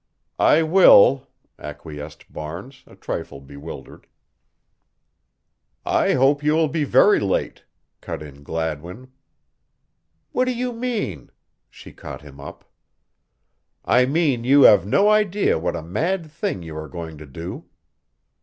"I will," acquiesced Barnes, a trifle bewildered. "I hope you will be very late," cut in Gladwin. "What do you mean?" she caught him up. "I mean you have no idea what a mad thing you are going to do."